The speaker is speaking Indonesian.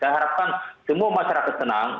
saya harapkan semua masyarakat senang